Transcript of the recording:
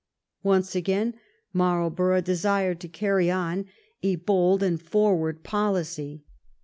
Once again Marlborough desired to carry on a bold and forward policy.